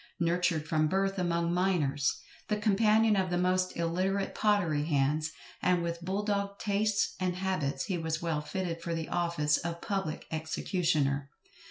Nurtured from birth among miners, the companion of the most illiterate pottery hands, and with bull dog tastes and habits, he was well fitted for the office of public executioner.